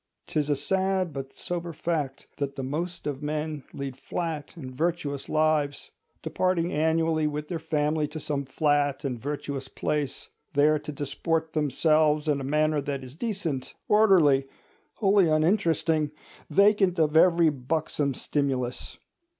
'Tis a sad but sober fact, that the most of men lead flat and virtuous lives, departing annually with their family to some flat and virtuous place, there to disport themselves in a manner that is decent, orderly, wholly uninteresting, vacant of every buxom stimulus.